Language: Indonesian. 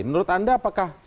menurut anda apakah sejauh ini